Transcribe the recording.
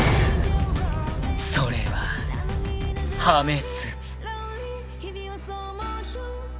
［それは破滅］